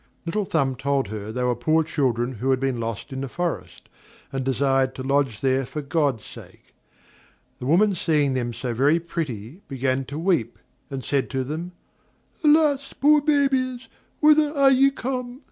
Little Thumb told her they were poor children who had been lost in the forest, and desired to lodge there for God's sake. The woman seeing them so very pretty, began to weep, and said to them: "Alas! poor babies, whither are ye come?